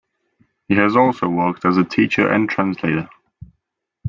He has also worked as a teacher and translator.